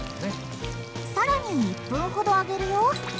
さらに１分ほど揚げるよ。